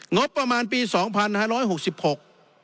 งบประมาณปี๒๕๖๖บาท